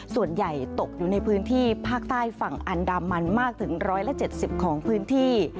ส่วนใหญ่ตกอยู่ในพื้นที่ภาคใต้ฝั่งอันดามันมากถึง๑๗๐ของพื้นที่